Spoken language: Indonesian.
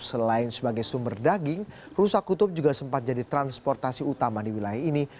selain sebagai sumber daging rusa kutub juga sempat jadi transportasi utama di wilayah ini